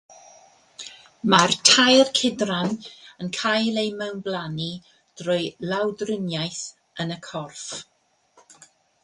Mae'r tair cydran yn cael eu mewnblannu drwy lawdriniaeth yn y corff.